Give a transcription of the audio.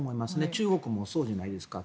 中国もそうじゃないですか。